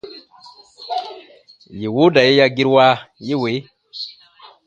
Yè wooda ye ya gerua ye wee :